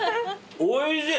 おいしい。